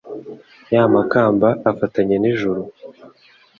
Ya makamba afatanye n' ijuru